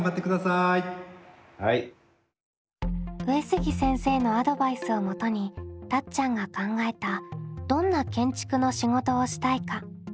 上杉先生のアドバイスをもとにたっちゃんが考えた「どんな建築の仕事をしたいか？」